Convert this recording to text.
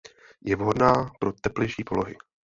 Je vhodná pro teplejší polohy.